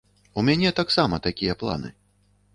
У мяне таксама такія планы.